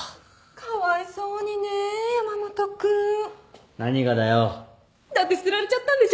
かわいそうにね山本君。何がだよ。だって捨てられちゃったんでしょ？